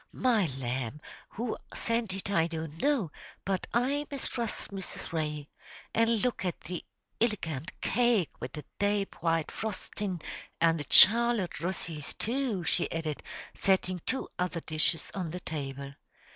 "My lamb, who sent it I don't know, but I mistrust Mrs. Ray. An' look at the illegant cake wid the dape white frostin', an' the Charlotte Russys too!" she added, setting two other dishes on the table.